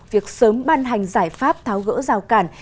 việc sớm ban hành giải pháp tháo gỡ rào cản